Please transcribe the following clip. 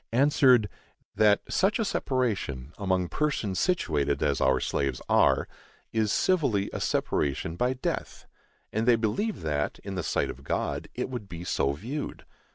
answered, That such a separation, among persons situated as our slaves are, is civilly a separation by death, and they believe that, in the sight of God, it would be so viewed.